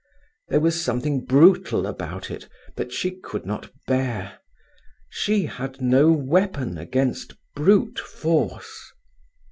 There was something brutal about it that she could not bear. She had no weapon against brute force.